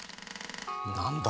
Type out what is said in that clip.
なんだ？